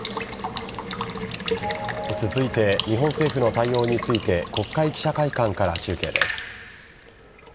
続いて日本政府の対応について国会記者会館から中継です。